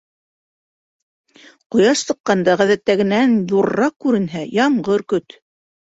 Ҡояш сыҡҡанда ғәҙәттәгенән ҙурыраҡ күренһә, ямғыр көт.